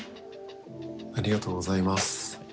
ありがとうございます。